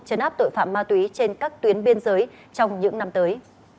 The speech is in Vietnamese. chấn áp tội phạm ma túy trên các tuyến biên giới trong những năm tới